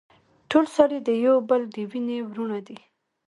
ټول سړي د يو بل د وينې وروڼه دي.